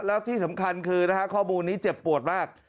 แล้วที่สำคัญคือข้อมูลนี้เจ็บปวดมาก